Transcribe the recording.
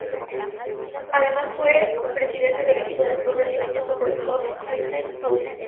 Además fue presidente del equipo de fútbol brasileño Sport Club Corinthians Paulista.